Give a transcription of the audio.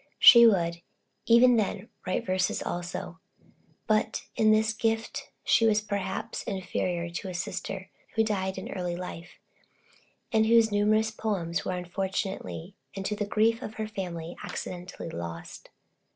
She would, even then, write verses also, but in this gift she was perhaps inferior to a sister, who died in early life, and whose numerous poems were unfortunately, and to the grief of her family, accidentally lost.